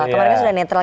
kemarin sudah netral